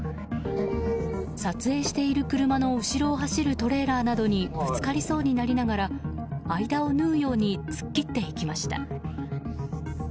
撮影している車の後ろを走るトレーラーなどにぶつかりそうになりながら間を縫うように突っ切っていきました。